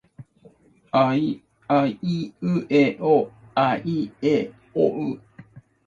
あいうえおあいえおう。